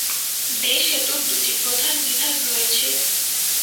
বে সেতুর দুটি প্রধান বিভাগ রয়েছে।